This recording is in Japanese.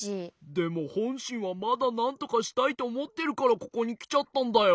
でもほんしんはまだなんとかしたいとおもってるからここにきちゃったんだよ。